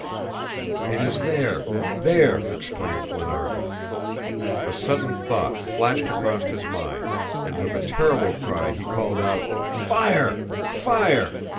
"It is there, there!" exclaimed Glenarvan. A sudden thought flashed across his mind, and with a terrible cry, he called out, "Fire! fire!